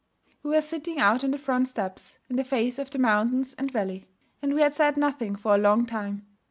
We were sitting out on the front steps, in the face of the mountains and valley; and we had said nothing for a long time.